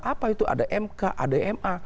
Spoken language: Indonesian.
apa itu ada mk ada ma